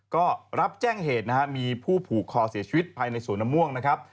ก็รับแจ้งเหตุนะฮะมีผู้ผูกคอเสียชีวิตภายในสวนมะม่วงนะครับ